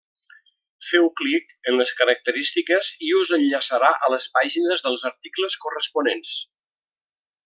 Feu clic en les característiques i us enllaçarà a les pàgines dels articles corresponents.